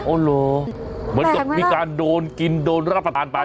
โอ้โหเหมือนกับมีการโดนกินโดนรับประทานไป